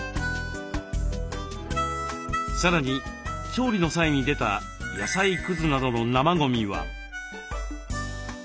さらに調理の際に出た野菜くずなどの生ゴミは。